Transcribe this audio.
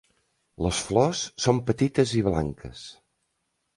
Les flors són petites i blanques.